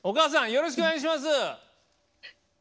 よろしくお願いします。